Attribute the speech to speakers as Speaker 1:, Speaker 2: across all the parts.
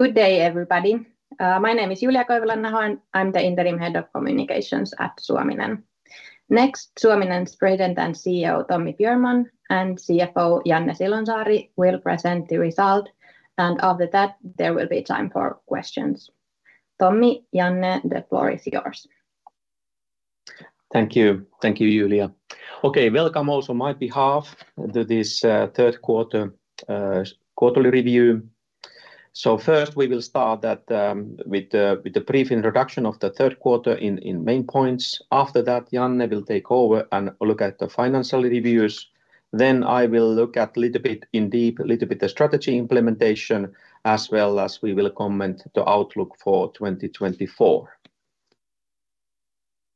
Speaker 1: Good day, everybody. My name is Julia Koivulanaho. I'm the Interim Head of Communications at Suominen. Next, Suominen's President and CEO, Tommi Björnman, and CFO, Janne Silonsaari, will present the result, and after that, there will be time for questions. Tommi, Janne, the floor is yours.
Speaker 2: Thank you. Thank you, Julia. Okay, welcome also on my behalf to this third quarter quarterly review. So first, we will start with a brief introduction of the third quarter in main points. After that, Janne will take over and look at the financial reviews. Then I will look at a little bit in deep, a little bit of strategy implementation, as well as we will comment on the outlook for 2024.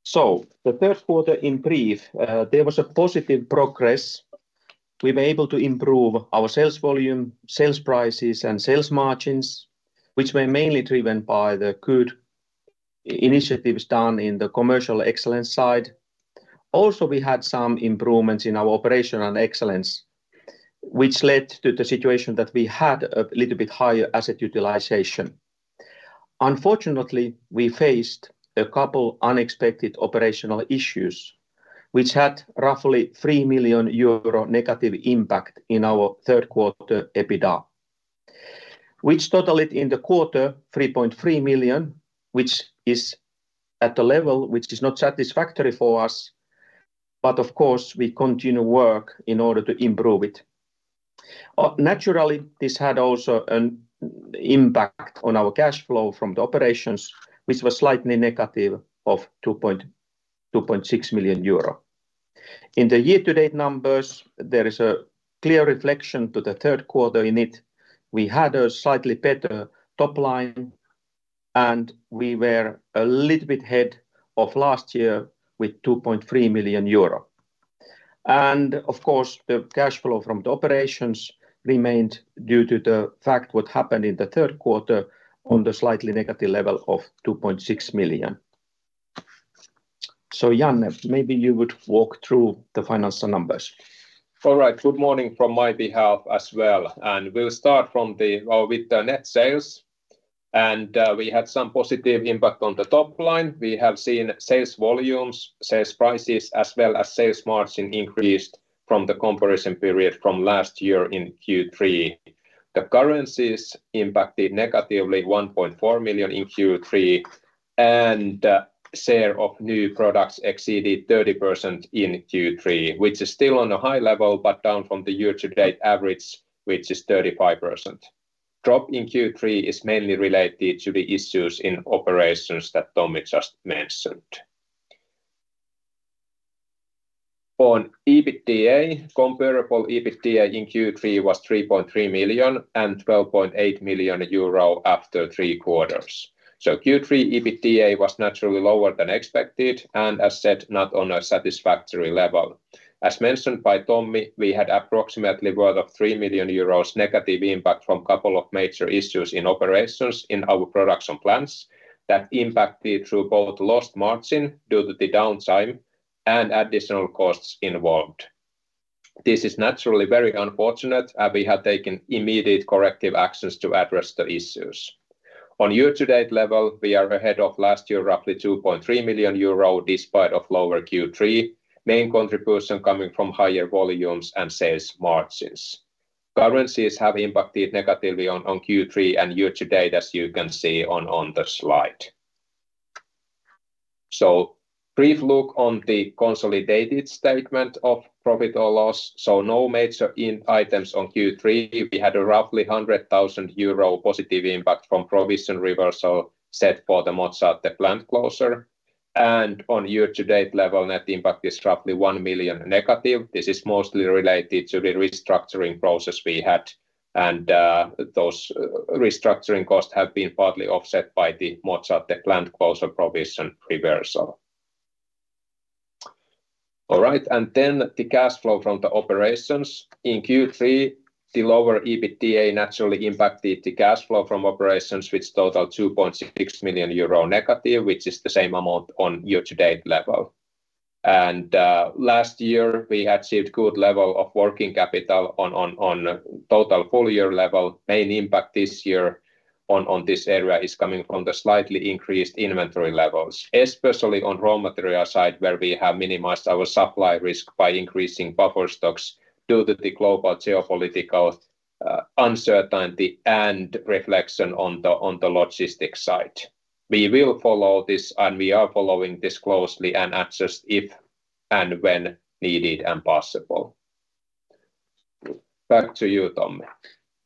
Speaker 2: So the third quarter in brief, there was positive progress. We were able to improve our sales volume, sales prices, and sales margins, which were mainly driven by the good initiatives done in the commercial excellence side. Also, we had some improvements in our operational excellence, which led to the situation that we had a little bit higher asset utilization. Unfortunately, we faced a couple of unexpected operational issues, which had roughly 3 million euro negative impact in our third quarter EBITDA, which totaled in the quarter 3.3 million, which is at a level which is not satisfactory for us, but of course, we continue work in order to improve it. Naturally, this had also an impact on our cash flow from the operations, which was slightly negative of 2.6 million euro. In the year-to-date numbers, there is a clear reflection to the third quarter in it. We had a slightly better top line, and we were a little bit ahead of last year with 2.3 million euro. And of course, the cash flow from the operations remained due to the fact what happened in the third quarter on the slightly negative level of 2.6 million. So Janne, maybe you would walk through the financial numbers.
Speaker 3: All right. Good morning from my behalf as well, and we'll start with the net sales, and we had some positive impact on the top line. We have seen sales volumes, sales prices, as well as sales margin increased from the comparison period from last year in Q3. The currencies impacted negatively 1.4 million in Q3, and the share of new products exceeded 30% in Q3, which is still on a high level, but down from the year-to-date average, which is 35%. Drop in Q3 is mainly related to the issues in operations that Tommi just mentioned. On EBITDA, comparable EBITDA in Q3 was 3.3 million and 12.8 million euro after three quarters, so Q3 EBITDA was naturally lower than expected and, as said, not on a satisfactory level. As mentioned by Tommi, we had approximately 3 million euros negative impact from a couple of major issues in operations in our production plants that impacted through both lost margin due to the downtime and additional costs involved. This is naturally very unfortunate, and we have taken immediate corrective actions to address the issues. On year-to-date level, we are ahead of last year roughly 2.3 million euro despite a slower Q3. Main contribution coming from higher volumes and sales margins. Currencies have impacted negatively on Q3 and year-to-date, as you can see on the slide, so brief look on the consolidated statement of profit or loss, so no major items on Q3. We had a roughly 100,000 euro positive impact from provision reversal set for the Mozzate plant closure, and on year-to-date level, net impact is roughly 1 million negative. This is mostly related to the restructuring process we had, and those restructuring costs have been partly offset by the Mozzate plant closure provision reversal. All right, and then the cash flow from the operations in Q3, the lower EBITDA naturally impacted the cash flow from operations, which totaled 2.6 million euro negative, which is the same amount on year-to-date level. And last year, we had achieved a good level of working capital on total full year level. Main impact this year on this area is coming from the slightly increased inventory levels, especially on raw material side, where we have minimized our supply risk by increasing buffer stocks due to the global geopolitical uncertainty and reflection on the logistics side. We will follow this, and we are following this closely and adjust if and when needed and possible. Back to you, Tommi.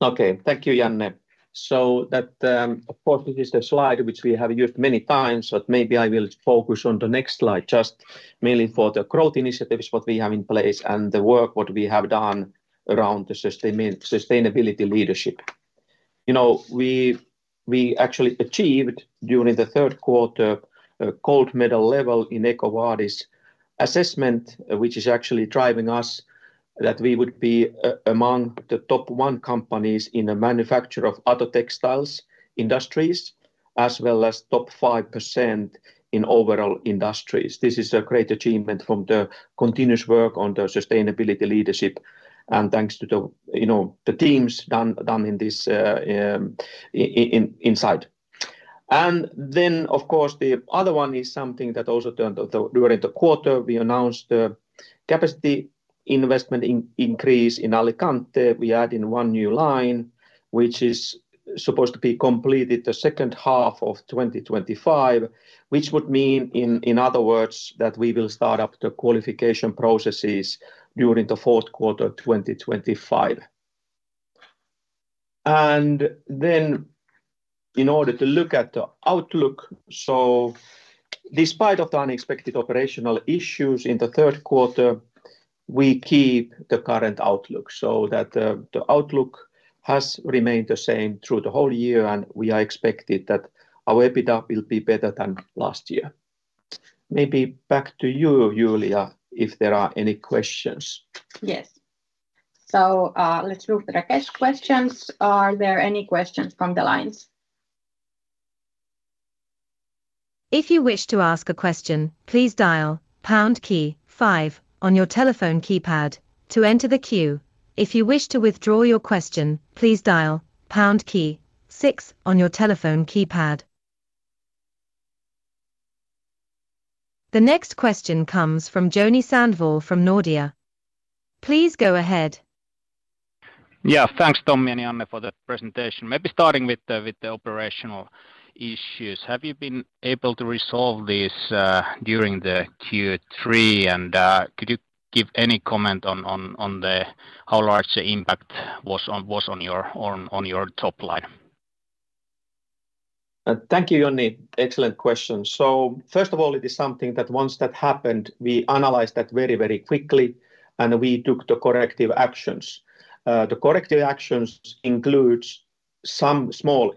Speaker 2: Okay, thank you, Janne. So that, of course, this is the slide which we have used many times, but maybe I will focus on the next slide just mainly for the growth initiatives, what we have in place, and the work what we have done around the sustainability leadership. You know, we actually achieved during the third quarter a gold medal level in EcoVadis assessment, which is actually driving us that we would be among the top 1% companies in the manufacture of nonwovens industries, as well as top 5% in overall industries. This is a great achievement from the continuous work on the sustainability leadership and thanks to the teams done inside, and then, of course, the other one is something that also during the quarter we announced the capacity investment increase in Alicante. We added one new line, which is supposed to be completed the second half of 2025, which would mean, in other words, that we will start up the qualification processes during the fourth quarter of 2025. And then, in order to look at the outlook, so despite the unexpected operational issues in the third quarter, we keep the current outlook so that the outlook has remained the same through the whole year, and we are expected that our EBITDA will be better than last year. Maybe back to you, Julia, if there are any questions.
Speaker 1: Yes, so let's move to the chat questions. Are there any questions from the lines?
Speaker 4: If you wish to ask a question, please dial pound key five on your telephone keypad to enter the queue. If you wish to withdraw your question, please dial pound key six on your telephone keypad. The next question comes from Joni Sandvall from Nordea. Please go ahead.
Speaker 5: Yeah, thanks Tommi and Janne for the presentation. Maybe starting with the operational issues. Have you been able to resolve this during the Q3, and could you give any comment on how large the impact was on your top line?
Speaker 2: Thank you, Joni. Excellent question. So first of all, it is something that once that happened, we analyzed that very, very quickly, and we took the corrective actions. The corrective actions include some small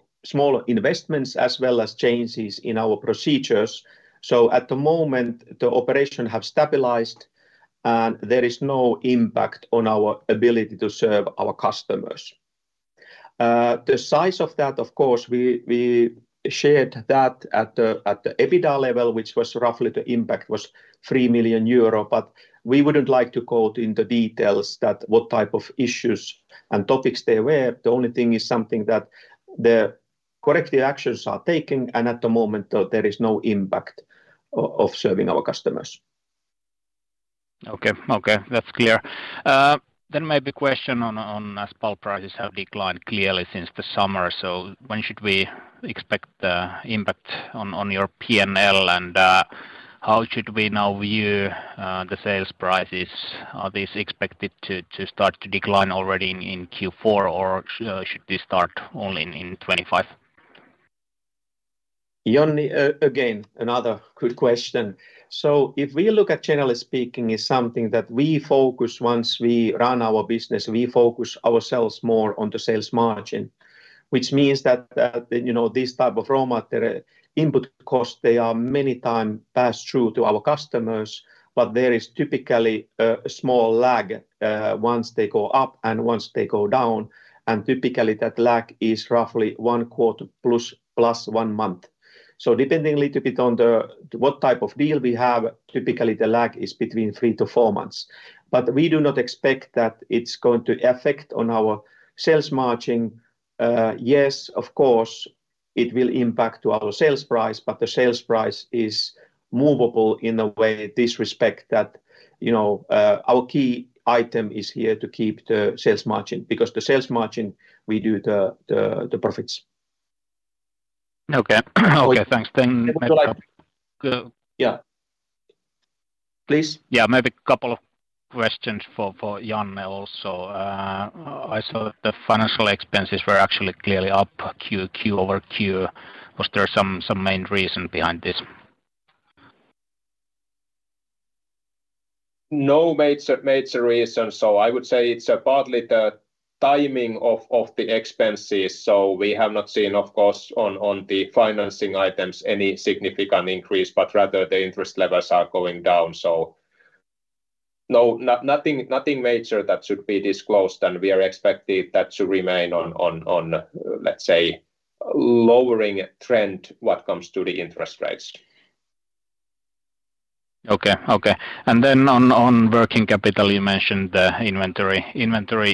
Speaker 2: investments as well as changes in our procedures. So at the moment, the operation has stabilized, and there is no impact on our ability to serve our customers. The size of that, of course, we shared that at the EBITDA level, which was roughly the impact was 3 million euro, but we wouldn't like to go into details that what type of issues and topics they were. The only thing is something that the corrective actions are taking, and at the moment, there is no impact of serving our customers.
Speaker 5: Okay, okay, that's clear, then maybe a question on asphalt prices have declined clearly since the summer, so when should we expect the impact on your P&L, and how should we now view the sales prices? Are these expected to start to decline already in Q4, or should they start only in 2025?
Speaker 2: Joni, again, another good question. So if we look at generally speaking, it's something that we focus once we run our business. We focus ourselves more on the sales margin, which means that this type of raw material input cost, they are many times passed through to our customers, but there is typically a small lag once they go up and once they go down, and typically that lag is roughly one quarter plus one month. So depending a little bit on what type of deal we have, typically the lag is between three to four months, but we do not expect that it's going to affect our sales margin. Yes, of course, it will impact our sales price, but the sales price is movable in a way with respect that our key item is here to keep the sales margin because the sales margin we do the profits.
Speaker 5: Okay, okay, thanks.
Speaker 2: Yeah.
Speaker 5: Please? Yeah, maybe a couple of questions for Janne also. I saw that the financial expenses were actually clearly up Q over Q. Was there some main reason behind this?
Speaker 3: No major reason. So I would say it's partly the timing of the expenses. So we have not seen, of course, on the financing items any significant increase, but rather the interest levels are going down. So nothing major that should be disclosed, and we are expecting that to remain on, let's say, a lowering trend what comes to the interest rates.
Speaker 5: Okay, okay, and then on working capital, you mentioned the inventory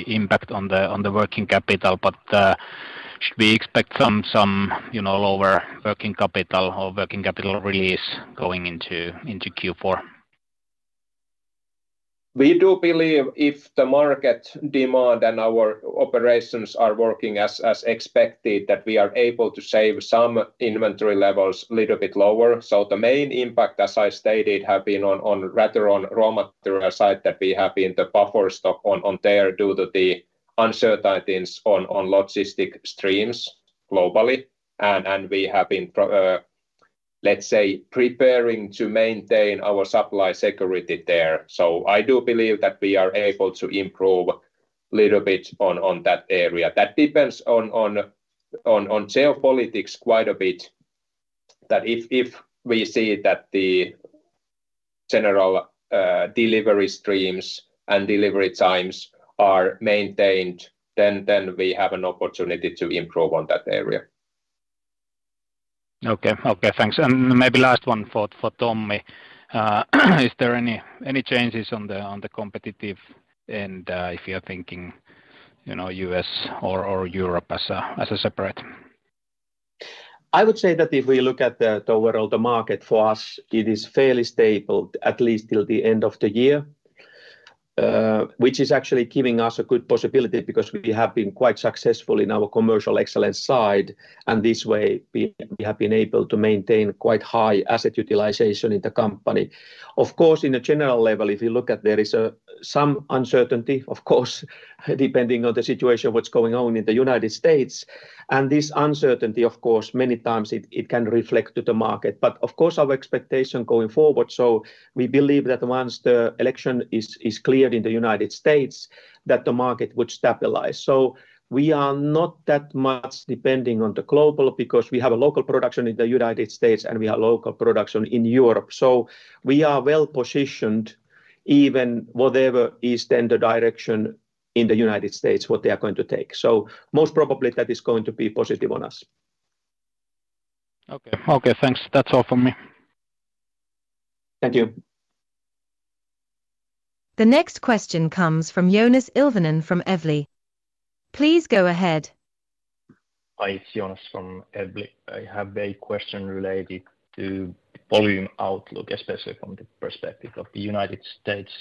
Speaker 5: impact on the working capital, but should we expect some lower working capital or working capital release going into Q4?
Speaker 3: We do believe if the market demand and our operations are working as expected, that we are able to save some inventory levels a little bit lower. So the main impact, as I stated, has been rather on raw material side that we have been the buffer stock on there due to the uncertainties on logistic streams globally, and we have been, let's say, preparing to maintain our supply security there. So I do believe that we are able to improve a little bit on that area. That depends on geopolitics quite a bit, that if we see that the general delivery streams and delivery times are maintained, then we have an opportunity to improve on that area.
Speaker 2: which is actually giving us a good possibility because we have been quite successful in our commercial excellence side, and this way we have been able to maintain quite high asset utilization in the company. Of course, in a general level, there is some uncertainty, of course, depending on the situation, what's going on in the United States, and this uncertainty, of course, many times it can reflect to the market, but of course our expectation going forward. So we believe that once the election is cleared in the United States, that the market would stabilize. So we are not that much depending on the global because we have a local production in the United States and we have local production in Europe. So we are well positioned even whatever is then the direction in the United States what they are going to take. So most probably that is going to be positive on us.
Speaker 5: Okay, okay, thanks. That's all from me.
Speaker 2: Thank you.
Speaker 4: The next question comes from Joonas Ilvonen from Evli. Please go ahead.
Speaker 6: Hi, Joonas from Evli. I have a question related to volume outlook, especially from the perspective of the United States.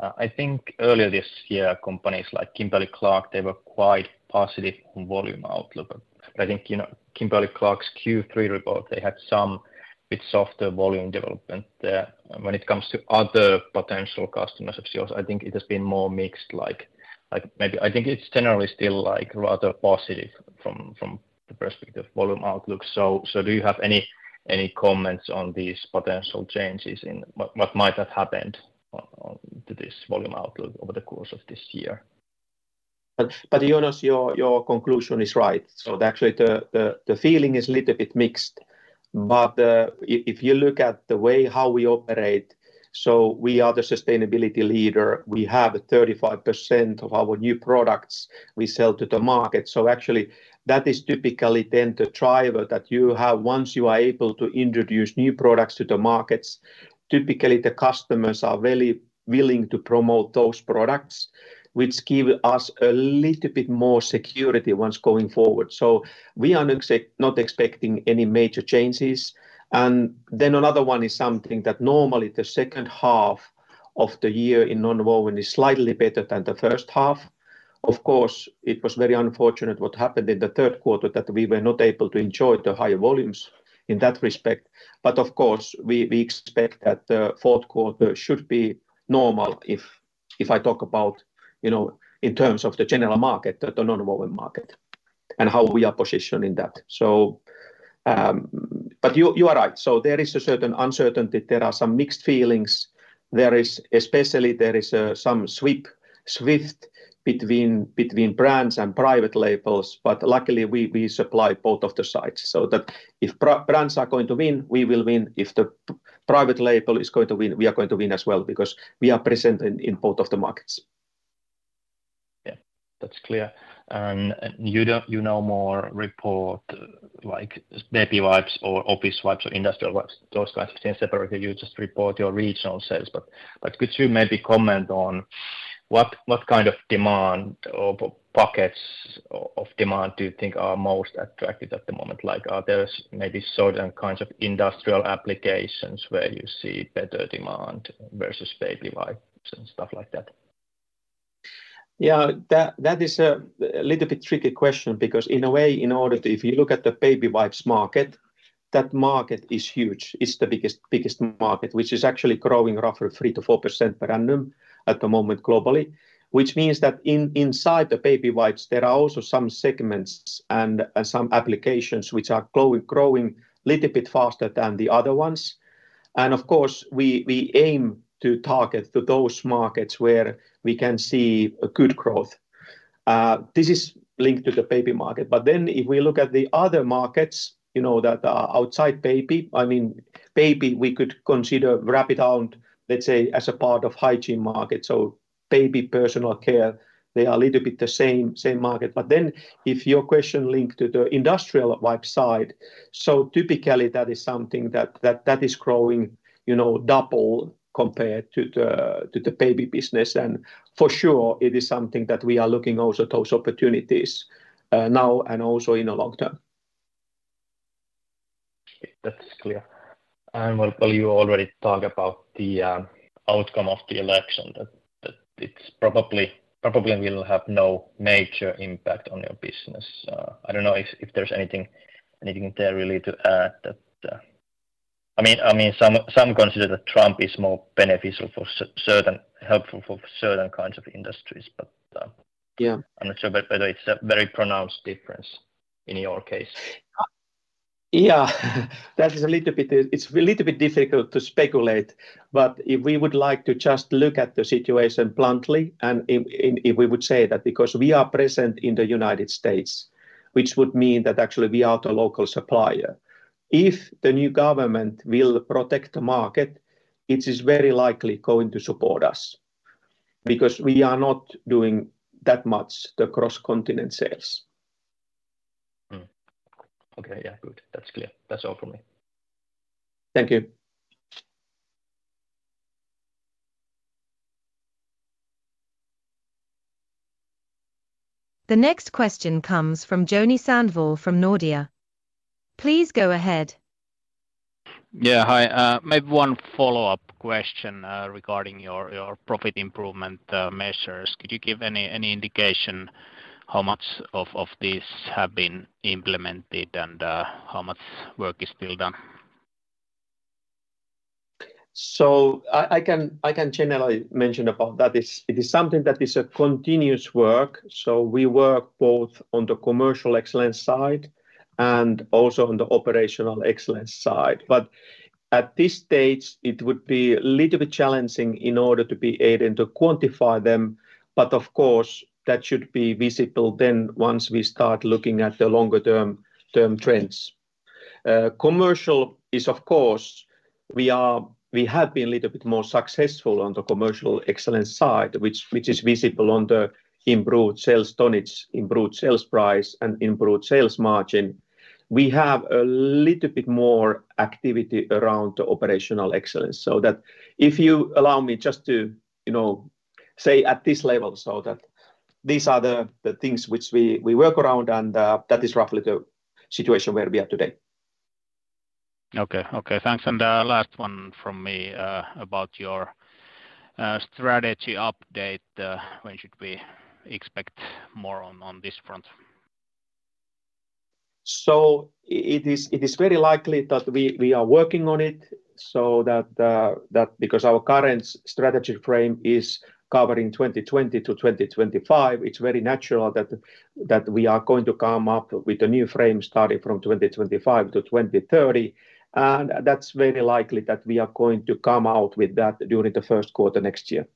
Speaker 6: I think earlier this year, companies like Kimberly-Clark, they were quite positive on volume outlook. I think Kimberly-Clark's Q3 report, they had some bit softer volume development there. When it comes to other potential customers of yours, I think it has been more mixed. I think it's generally still rather positive from the perspective of volume outlook. So do you have any comments on these potential changes in what might have happened to this volume outlook over the course of this year?
Speaker 2: But Joonas, your conclusion is right. So actually the feeling is a little bit mixed, but if you look at the way how we operate, so we are the sustainability leader. We have 35% of our new products we sell to the market. So actually that is typically then the driver that you have once you are able to introduce new products to the markets. Typically, the customers are very willing to promote those products, which gives us a little bit more security once going forward. So we are not expecting any major changes. And then another one is something that normally the second half of the year in nonwovens is slightly better than the first half. Of course, it was very unfortunate what happened in the third quarter that we were not able to enjoy the high volumes in that respect, but of course we expect that the fourth quarter should be normal if I talk about in terms of the general market, the nonwovens market, and how we are positioned in that. But you are right. So there is a certain uncertainty. There are some mixed feelings. There is especially some shift between brands and private labels, but luckily we supply both sides. So that if brands are going to win, we will win. If the private label is going to win, we are going to win as well because we are present in both of the markets.
Speaker 6: Yeah, that's clear, and you know more report like maybe wipes or office wipes or industrial wipes, those kinds of things separately. You just report your regional sales, but could you maybe comment on what kind of demand or pockets of demand do you think are most attractive at the moment? Are there maybe certain kinds of industrial applications where you see better demand versus baby wipes and stuff like that?
Speaker 2: Yeah, that is a little bit tricky question because in a way, if you look at the baby wipes market, that market is huge. It's the biggest market, which is actually growing roughly 3%-4% per annum at the moment globally, which means that inside the baby wipes, there are also some segments and some applications which are growing a little bit faster than the other ones. And of course, we aim to target to those markets where we can see good growth. This is linked to the baby market, but then if we look at the other markets that are outside baby, I mean baby, we could consider wipes out, let's say, as a part of hygiene market. So baby personal care, they are a little bit the same market. But then, if your question linked to the industrial wipes side, so typically that is something that is growing double compared to the baby business. And for sure, it is something that we are looking also at those opportunities now and also in the long term.
Speaker 6: That's clear. And while you already talk about the outcome of the election, that it probably will have no major impact on your business. I don't know if there's anything there really to add. I mean, some consider that Trump is more beneficial for certain, helpful for certain kinds of industries, but I'm not sure whether it's a very pronounced difference in your case.
Speaker 2: Yeah, that is a little bit difficult to speculate, but if we would like to just look at the situation bluntly, and if we would say that because we are present in the United States, which would mean that actually we are the local supplier, if the new government will protect the market, it is very likely going to support us because we are not doing that much the cross-continent sales.
Speaker 6: Okay, yeah, good. That's clear. That's all for me.
Speaker 2: Thank you.
Speaker 4: The next question comes from Joni Sandvall from Nordea. Please go ahead.
Speaker 5: Yeah, hi. Maybe one follow-up question regarding your profit improvement measures. Could you give any indication how much of this has been implemented and how much work is still done?
Speaker 2: So I can generally mention about that. It is something that is a continuous work. So we work both on the commercial excellence side and also on the operational excellence side. But at this stage, it would be a little bit challenging in order to be able to quantify them, but of course, that should be visible then once we start looking at the longer-term trends. Commercial is, of course, we have been a little bit more successful on the commercial excellence side, which is visible on the improved sales tonnage, improved sales price, and improved sales margin. We have a little bit more activity around the operational excellence. So that if you allow me just to say at this level, so that these are the things which we work around, and that is roughly the situation where we are today.
Speaker 5: Okay, okay, thanks. And last one from me about your strategy update. When should we expect more on this front?
Speaker 2: It is very likely that we are working on it so that because our current strategy frame is covering 2020 to 2025. It's very natural that we are going to come up with a new frame starting from 2025 to 2030. That's very likely that we are going to come out with that during the first quarter next year.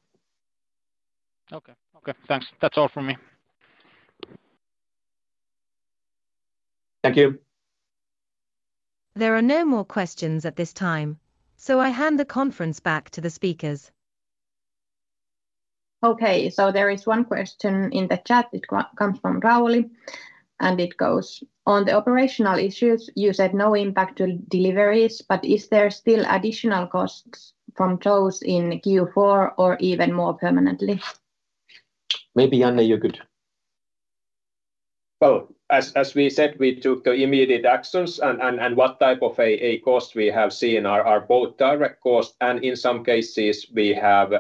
Speaker 5: Okay, okay, thanks. That's all from me.
Speaker 2: Thank you.
Speaker 4: There are no more questions at this time, so I hand the conference back to the speakers.
Speaker 1: Okay, so there is one question in the chat. It comes from Rauli, and it goes: on the operational issues, you said no impact to deliveries, but is there still additional costs from those in Q4 or even more permanently?
Speaker 2: Maybe Janne, you could.
Speaker 3: Oh, as we said, we took the immediate actions and what type of a cost we have seen are both direct costs, and in some cases, we have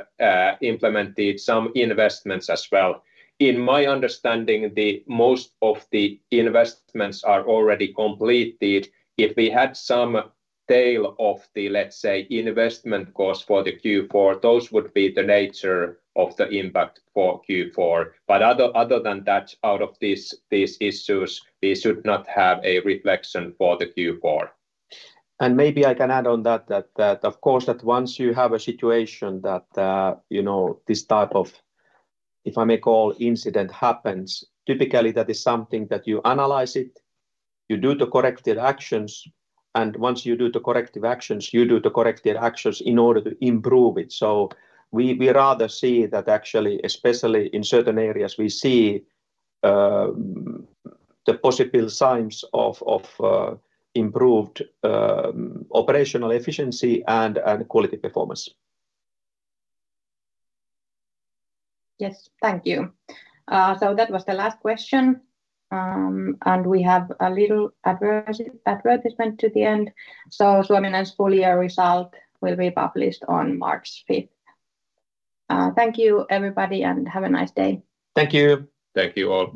Speaker 3: implemented some investments as well. In my understanding, most of the investments are already completed. If we had some tail of the, let's say, investment cost for the Q4, those would be the nature of the impact for Q4. But other than that, out of these issues, we should not have a reflection for the Q4. And maybe I can add on that that, of course, that once you have a situation that this type of, if I may call, incident happens, typically that is something that you analyze it, you do the corrective actions, and once you do the corrective actions, you do the corrective actions in order to improve it. We rather see that actually, especially in certain areas, we see the possible signs of improved operational efficiency and quality performance.
Speaker 1: Yes, thank you. So that was the last question, and we have a little advertisement to the end. So Suominen's full year result will be published on March 5th. Thank you, everybody, and have a nice day.
Speaker 2: Thank you.
Speaker 3: Thank you all.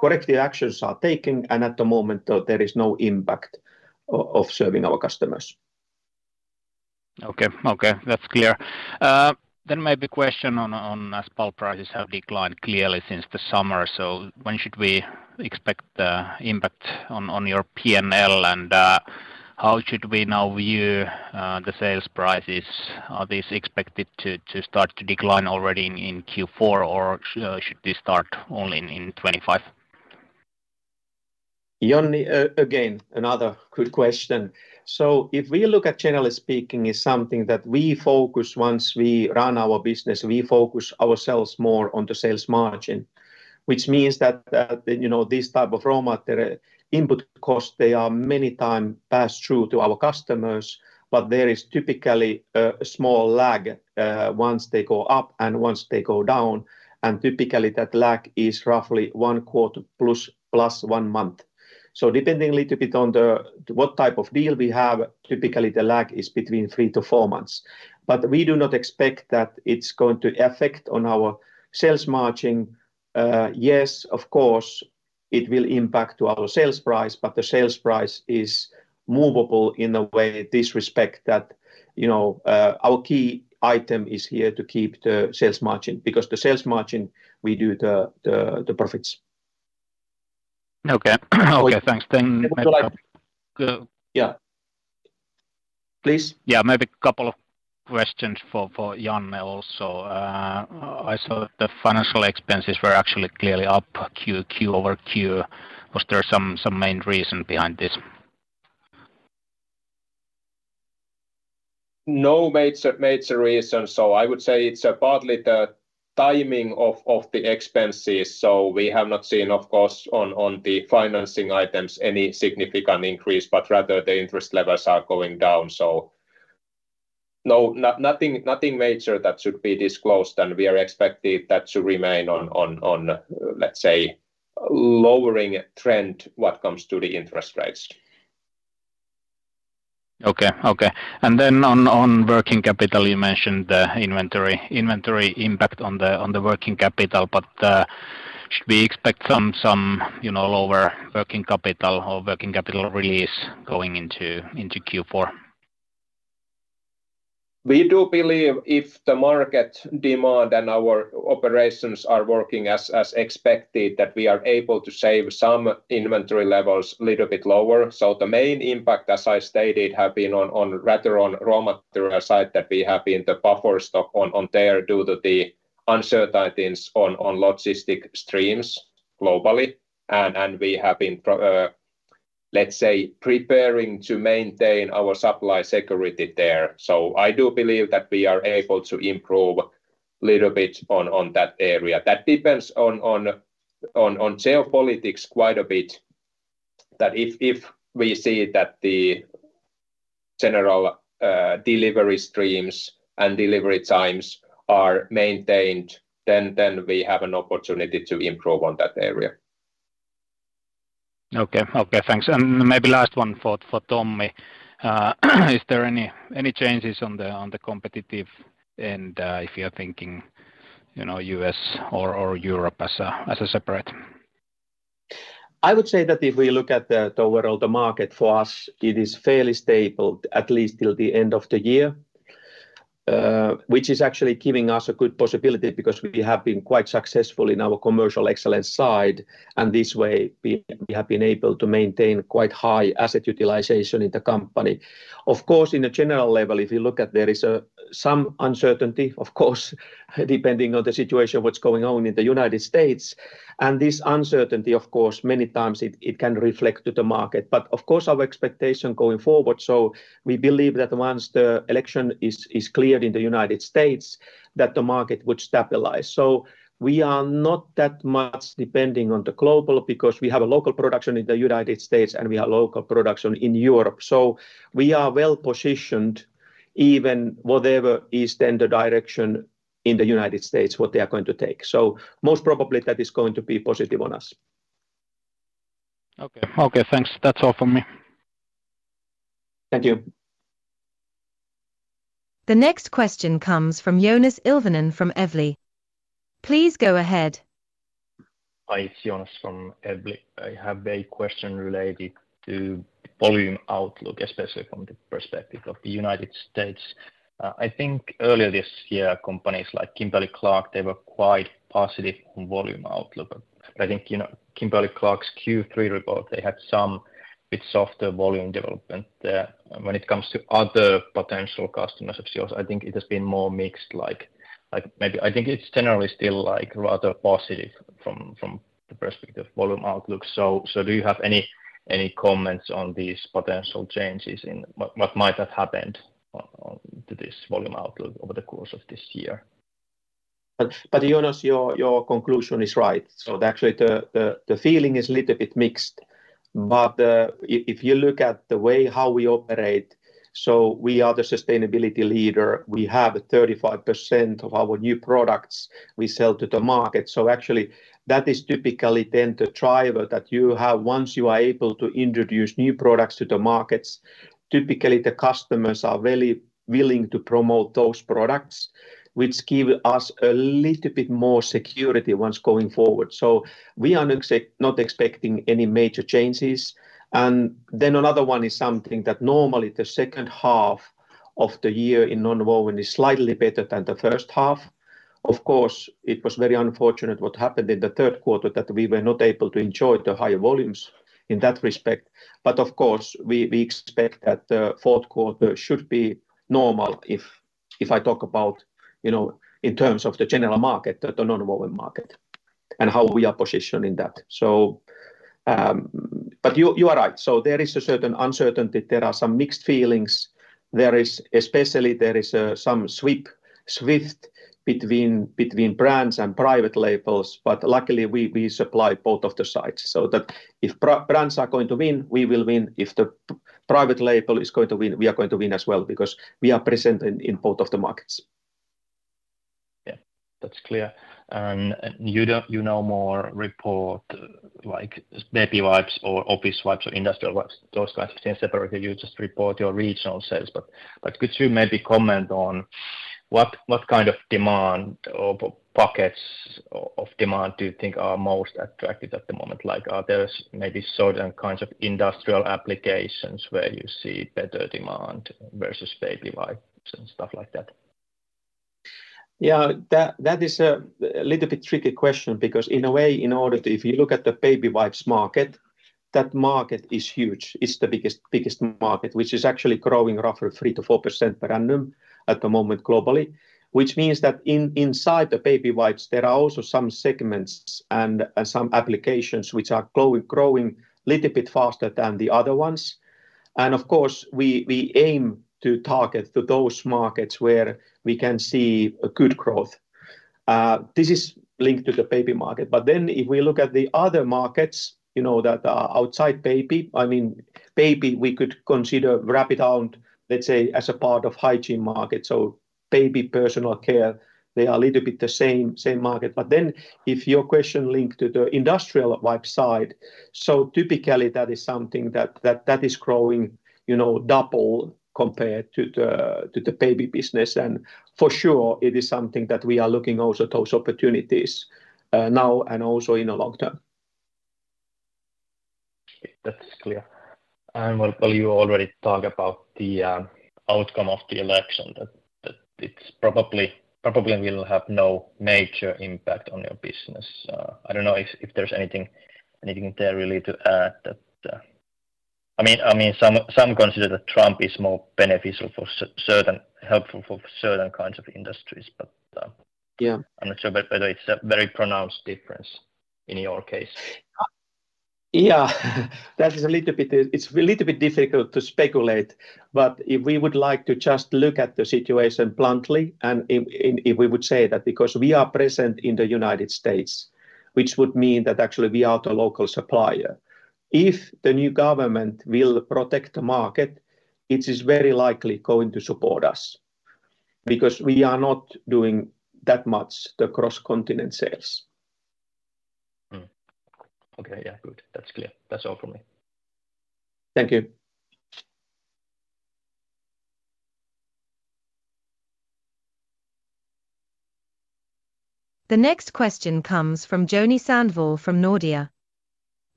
Speaker 3: Bye-bye.